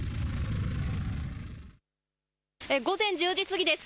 午前１０時過ぎです。